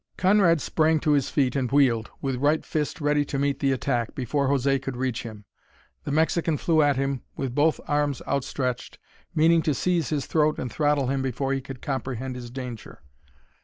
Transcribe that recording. Conrad sprang to his feet and wheeled, with right fist ready to meet the attack, before José could reach him. The Mexican flew at him with both arms outstretched, meaning to seize his throat and throttle him before he could comprehend his danger.